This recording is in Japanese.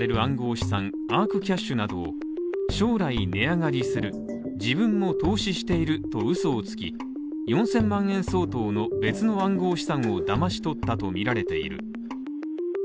資産アークキャッシュなど将来値上がりする自分も投資していると嘘をつき、４０００万円相当の別の暗号資産をだまし取ったとみられている。